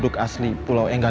dan aku tidak tahu itu miar